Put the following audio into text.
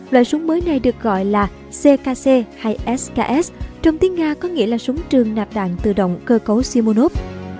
loại súng mới này được gọi là ckc hay sks trong tiếng nga có nghĩa là súng trường nạp đạn tự động cơ cấu simonov